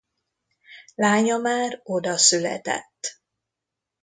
Lánya már oda született.